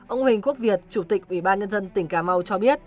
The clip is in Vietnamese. ông huỳnh quốc việt chủ tịch ủy ban nhân dân tỉnh cà mau cho biết